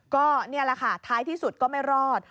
ก็นี่แหละค่ะท้ายที่สุดก็ไม่รอด